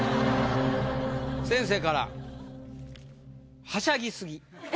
先生から「はしゃぎ過ぎ」。